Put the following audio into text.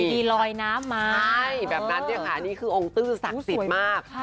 มีลอยน้ำมาใช่แบบนั้นเนี่ยค่ะนี่คือองค์ตื้อศักดิ์สิทธิ์มาก